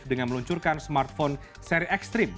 dengan meluncurkan smartphone seri ekstrim